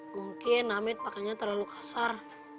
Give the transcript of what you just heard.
mungkin amit pakainya terlalu kasar